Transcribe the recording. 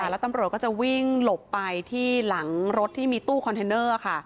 แล้วตำรวจก็จะวิ่งหลบไปที่หลังรถที่มีตู้คอนเทนเนอร์ค่ะ